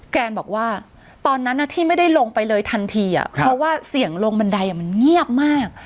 แกนบอกว่าตอนนั้นที่ไม่ได้ลงไปเลยทันทีเพราะว่าเสียงลงบันไดมันเงียบมาก